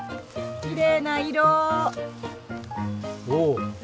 きれいな色！